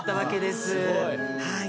すごい。